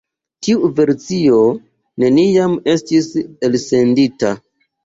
Tiu versio neniam estis elsendita.